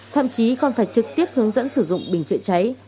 thậm chí còn phải trực tiếp hướng dẫn sử dụng bình chữa cháy